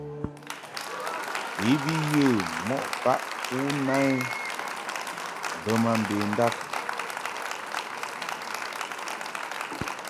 I bi yə mɔʼ baʼ ku na I bə ma mbendab.